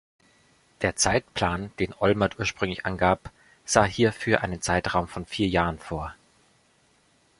Der Zeitplan, den Olmert ursprünglich angab, sah hierfür einen Zeitraum von vier Jahren vor.